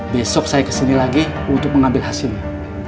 besok saya kesini lagi untuk mengambil hasilnya